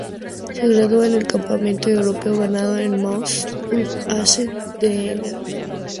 Se gradúa en el Campeonato Europeo ganando en Most, Assen, Le Mans y Jarama.